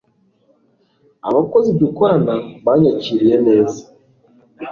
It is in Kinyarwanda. Abakozi dukorana banyakiriye neza